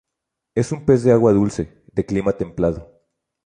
Es un pez de agua dulce, de clima templado.